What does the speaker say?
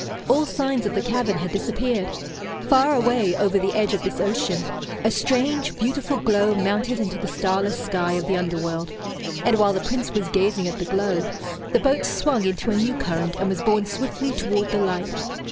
All signs of the cavern had disappeared. Far away, over the edge of this ocean, a strange, beautiful glow mounted into the starless sky of the underworld. And while the Prince was gazing at the glow, the boat swung into a new current, and was borne swiftly toward the light.